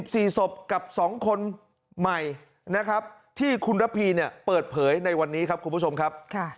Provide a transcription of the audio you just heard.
สี่ศพกับสองคนใหม่นะครับที่คุณระพีเนี่ยเปิดเผยในวันนี้ครับคุณผู้ชมครับ